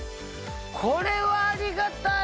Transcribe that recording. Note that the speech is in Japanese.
これはありがたい。